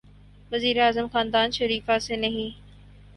وزیر اعظم خاندان شریفیہ سے نہیں۔